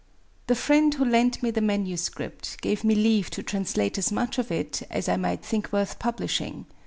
The friend who lent me the manuscript gave me leave to translate as much of it as I might think worth publishing.